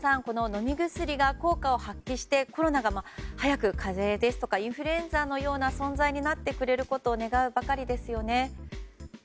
この飲み薬が効果を発揮してコロナが早く風邪とかインフルエンザの存在になってくれることを願うばかりですよね。